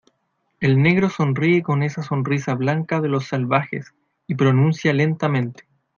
el negro sonríe con esa sonrisa blanca de los salvajes, y pronuncia lentamente